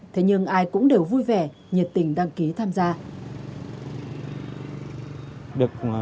thế nhưng ai cũng đều vui vẻ nhiệt tình đăng ký tham gia